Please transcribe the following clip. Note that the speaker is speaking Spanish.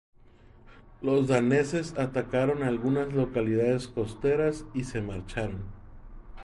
Los daneses atacaron algunas localidades costeras y se marcharon.